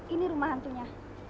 ini rumah hantunya